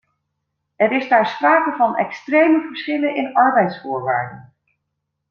Er is daar sprake van extreme verschillen in arbeidsvoorwaarden.